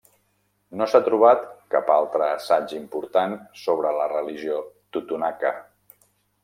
No s'ha trobat cap altre assaig important sobre la religió totonaca.